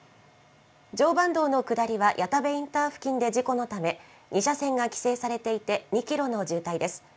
常磐道の下りは谷田部インターチェンジ付近で事故のため、２車線が規制されていて２キロの渋滞です。